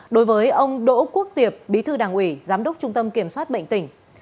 đối với ông đỗ quốc tiệp bí thư đảng ủy giám đốc trung tâm kiểm soát bệnh tỉnh